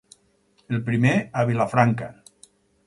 El primer a Vilafranca.